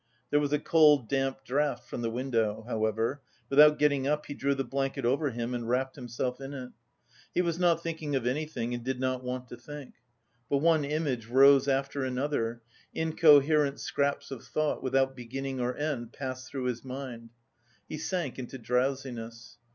There was a cold damp draught from the window, however; without getting up he drew the blanket over him and wrapped himself in it. He was not thinking of anything and did not want to think. But one image rose after another, incoherent scraps of thought without beginning or end passed through his mind. He sank into drowsiness.